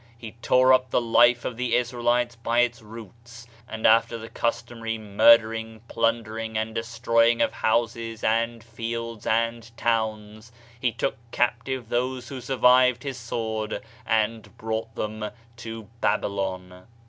He tore up the life of the Israelites by its roots; and after the customary murdering, plundering and destroying of houses and fields and towns, he took captive those who survived his sword and brought them to Babylon.